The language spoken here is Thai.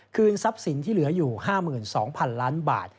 ทรัพย์สินที่เหลืออยู่๕๒๐๐๐ล้านบาท